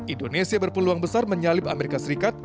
indonesia berpeluang besar menyalip amerika serikat